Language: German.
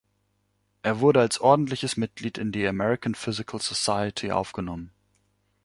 Er wurde als ordentliches Mitglied in die American Physical Society aufgenommen.